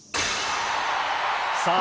さあ！